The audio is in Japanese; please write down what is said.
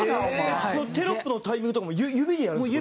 テロップのタイミングとかも指でやるんですか？